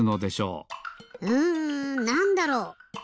うんなんだろう？